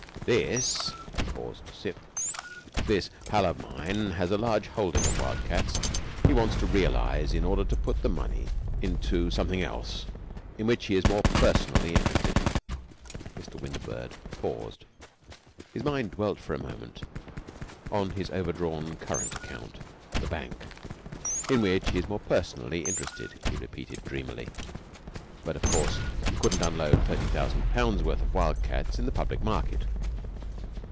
"This " he paused to sip "this pal of mine has a large holding of Wildcats. He wants to realize in order to put the money into something else, in which he is more personally interested." Mr. Windlebird paused. His mind dwelt for a moment on his overdrawn current account at the bank. "In which he is more personally interested," he repeated dreamily. "But of course you couldn't unload thirty pounds' worth of Wildcats in the public market."